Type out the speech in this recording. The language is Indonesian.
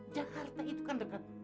jakarta itu kan dekat